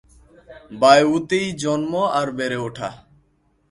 বায়উতেই জন্ম আর বেড়ে উঠা।